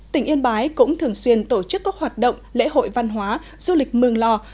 tỉnh yên bái cũng thường xuyên tổ chức các hoạt động lễ hội văn hóa du lịch mừng lo